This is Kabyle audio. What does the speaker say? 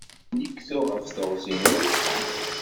Din i k-tuɣ ɣef teɣzi n wass?